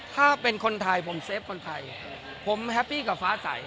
ถ้าเป็นคนไทยผมเซฟคนไทยผมแฮปปี้กับฟ้าใส